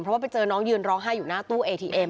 ก็เลยพาน้องไปนั่งก่อนเอาน้องเอาน้ำอะไรให้ดื่ม